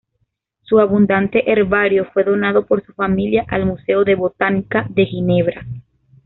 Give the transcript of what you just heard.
Su abundante herbario fue donado por su familia al Museo de Botánica de Ginebra.